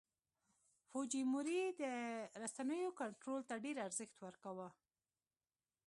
فوجیموري د رسنیو کنټرول ته ډېر ارزښت ورکاوه.